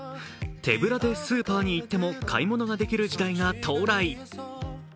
手ぶらでスーパーに行っても買い物ができる時代が到来。